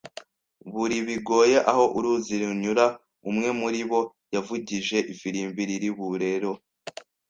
buri, bigoye aho uruzi runyura. Umwe muribo yavugije ifirimbi "Lillibullero."